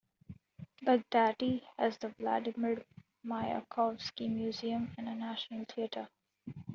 Baghdati has the Vladimir Mayakovsky Museum and a National Theatre.